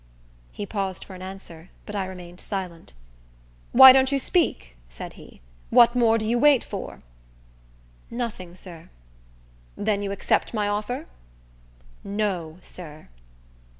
He paused for an answer, but I remained silent. "Why don't you speak?" said he. "What more do you wait for?" "Nothing, sir." "Then you accept my offer?" "No, sir."